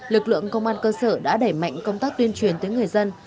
lực lượng công an cơ sở đã đẩy mạnh công tác tuyên truyền tới người dân